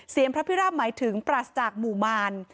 พระพิราบหมายถึงปราศจากหมู่มาร